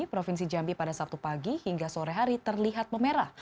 provinsi jambi pada sabtu pagi hingga sore hari terlihat memerah